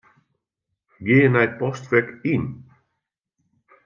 Gean nei Postfek Yn.